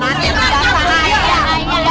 nanti ada saran lainnya